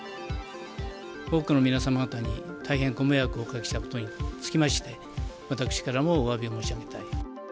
多くの皆様方に大変ご迷惑をおかけしたことにつきまして、私からもおわびを申し上げたい。